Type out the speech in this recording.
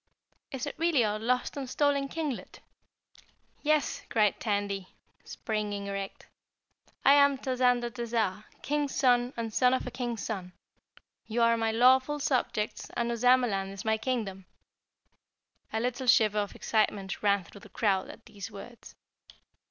"Is it really our lost and stolen Kinglet?" "Yes!" cried Tandy, springing erect. "I am Tazander Tazah, King's son and son of a King's son. You are my lawful subjects and Ozamaland is my Kingdom!" A little shiver of excitement ran through the crowd at these words.